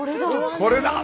これだ！